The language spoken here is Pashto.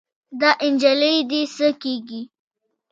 دا نجلۍ دې څه کيږي؟